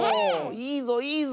いいぞいいぞ！